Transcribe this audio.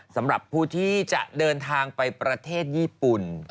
สำหรับผู้ที่จะเดินทางไปประเทศญี่ปุ่น